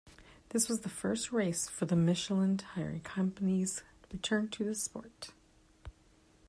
This was the first race for the Michelin tyre company's return to the sport.